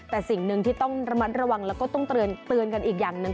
แต่สิ่งหนึ่งที่ต้องระมัดระวังแล้วก็ต้องเตือนกันอีกอย่างหนึ่ง